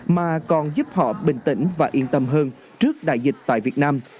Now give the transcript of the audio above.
mà còn giúp họ bình tĩnh và yên tâm hơn trước đại dịch tại việt nam